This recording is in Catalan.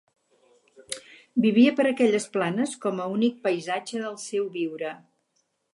Vivia per aquelles planes, com a únic paisatge del seu viure